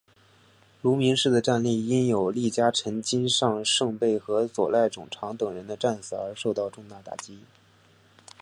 芦名氏的战力因有力家臣金上盛备和佐濑种常等人的战死而受到重大打击。